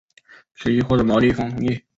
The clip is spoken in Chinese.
此议获得毛利方同意。